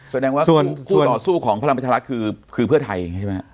แสดงว่าคู่ต่อสู้ของพลังประชารัฐมันคือเพื่อไทยใช่ไหม